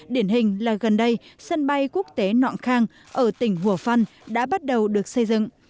điển hình là gần đây sân bay quốc tế nọng khang ở tỉnh hùa phân đã bắt đầu được xây dựng